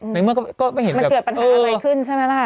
ไปเคลือดปัญหากาจขับไปขึ้นใช่มั้ยล่า